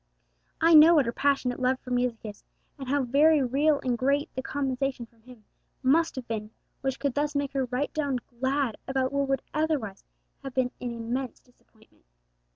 I know what her passionate love for music is, and how very real and great the compensation from Him must have been which could thus make her right down glad about what would otherwise have been an immense disappointment.